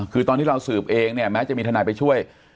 คือตอนที่เราสืบเองเนี่ยแม้จะมีทนายไปช่วย